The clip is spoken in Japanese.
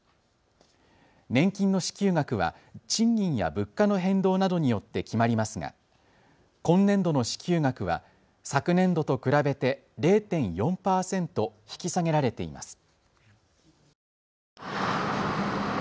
年金の支給額は賃金や物価の変動などによって決まりますが今年度の支給額は昨年度と比べて０．４％引き下げられています。